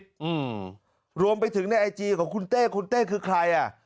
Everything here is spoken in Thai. อืมรวมไปถึงในไอจีของคุณเต้คุณเต้คือใครอ่ะ